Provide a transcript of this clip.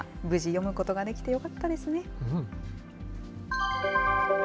無事読むことができてよかったですね。